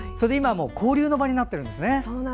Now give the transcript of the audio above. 交流の場になってるんですね。